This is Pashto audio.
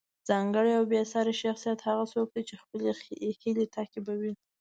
ځانګړی او بې ساری شخصیت هغه څوک دی چې خپلې هیلې تعقیبوي.